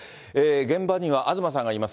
現場には東さんがいます。